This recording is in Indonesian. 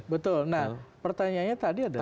betul nah pertanyaannya tadi adalah